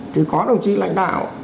thì có đồng chí lãnh đạo